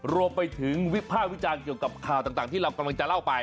รวมไปถึงวิภาควิจารณ์เกี่ยวกับข่าวต่างที่เรากำลังจะเล่าไป